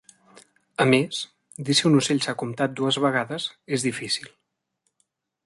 A més, dir si un ocell s'ha comptat dues vegades és difícil.